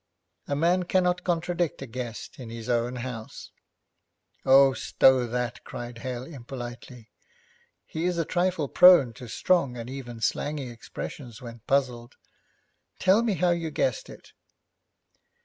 A man cannot contradict a guest in his own house. 'Oh, stow that!' cried Hale impolitely. He is a trifle prone to strong and even slangy expressions when puzzled. 'Tell me how you guessed it.'